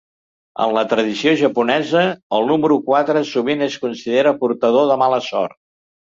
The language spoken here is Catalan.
En la tradició japonesa, el número quatre sovint es considera portador de mala sort.